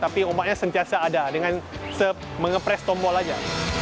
tapi ombaknya sentiasa ada dengan mengepres tombol aja